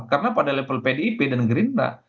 karena pada level pdip dan gerinda